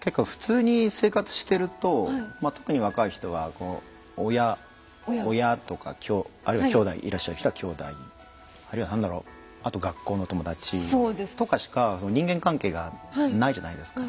結構普通に生活してるとまあ特に若い人はこう親親とかあるいは兄弟いらっしゃる人は兄弟あるいは何だろうあと学校の友達。とかしか人間関係がないじゃないですか。